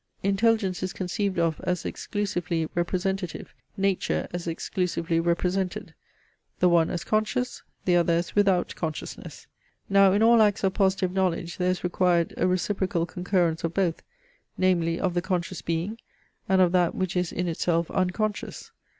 Intelligence is conceived of as exclusively representative, nature as exclusively represented; the one as conscious, the other as without consciousness. Now in all acts of positive knowledge there is required a reciprocal concurrence of both, namely of the conscious being, and of that which is in itself unconscious.